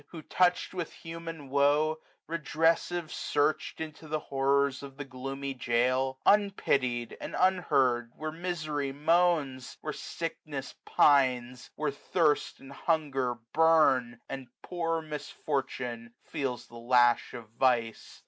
Who, touched with human woe, redrcssive search'd Into the horrors of the gloomy jail? 361 Unpitied, and unheard, where misery moans; Where sickness pines; where thirft and hunger bum. And poor misfortune feels the lash of vice.